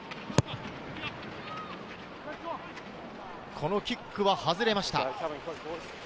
このキックは外れました。